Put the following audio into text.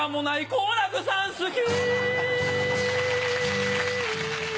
好楽さん好き